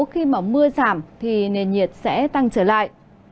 khi mà mưa giảm thì nền nhiệt sẽ tăng trở lại